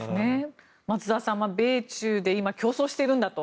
松澤さん、米中で今、競争しているんだと。